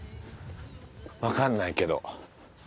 わかんないけど。